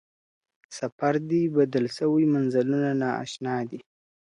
سفر دی بدل سوی، منزلونه نا اشنا دي.